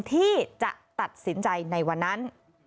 ที่จะตัดสินใจในวันนั้น